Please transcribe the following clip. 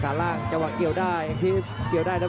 พยายามจะไถ่หน้านี่ครับการต้องเตือนเลยครับ